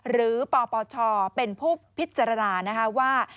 ปปชเป็นผู้พิจารณานะคะว่า